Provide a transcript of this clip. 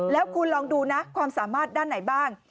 แล้วคุณลองดูนะความสามารถด้านไหนบ้าง